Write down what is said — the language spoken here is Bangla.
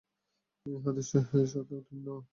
এ হাদীস সহীহ-এর শর্তে উত্তীর্ণ।